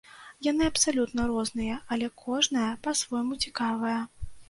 Яны абсалютна розныя, але кожная па-свойму цікавая.